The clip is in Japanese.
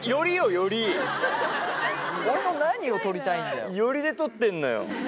寄りで撮ってんのよ。